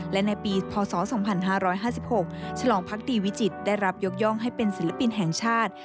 และในปีพศ๒๕๕๖ฉลองพักดีวิจิตรได้รับยกย่องให้เป็นศิลปินแห่งชาติ